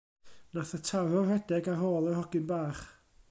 Nath y tarw redeg ar ôl yr hogyn bach.